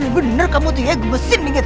bener kamu tuh iya gemesin